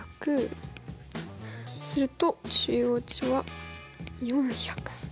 ２００すると中央値は４００。